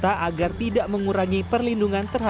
kami juga mencari kelebihan dari para kandang kandang